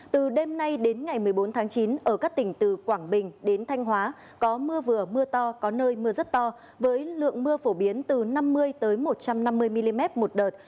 từ đêm nay đến ngày một mươi bốn tháng chín ở các tỉnh từ quảng bình đến thanh hóa có mưa vừa mưa to có nơi mưa rất to với lượng mưa phổ biến từ năm mươi một trăm năm mươi mm một đợt